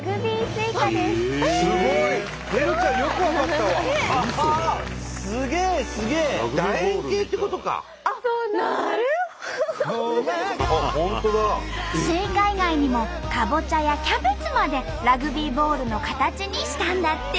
スイカ以外にもカボチャやキャベツまでラグビーボールの形にしたんだって。